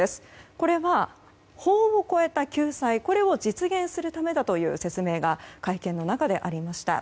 これは法を超えた救済を実現するためだという説明が、会見の中でありました。